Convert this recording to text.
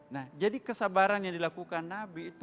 nah jadi kesabaran yang dilakukan nabi itu